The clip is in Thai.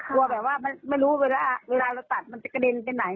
แต่ว่าแบบไม่รู้เวลาถัดมันจะกระเด็นไปไหน